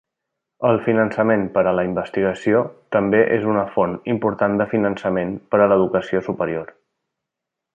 El finançament per a la investigació també és una font important de finançament per a l'educació superior.